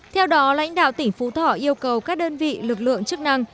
theo đó lãnh đạo tỉnh phú thọ yêu cầu các đơn vị lực lượng chức năng